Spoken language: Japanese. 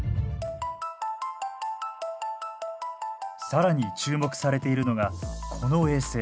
更に注目されているのがこの衛星。